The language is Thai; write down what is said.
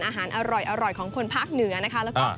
อาหารอร่อยของคนภาคเหนือนะคะแล้วก็